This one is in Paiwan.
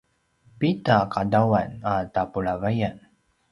pida qadawan a tapulavayan?